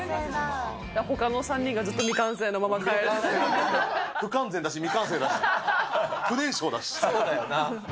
ほかの３人がずっと未完成の不完全だし未完成だし、そうだよな。